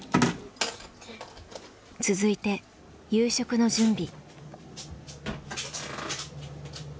続いて夕食の準備。